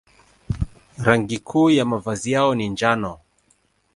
Rangi kuu ya mavazi yao ni njano.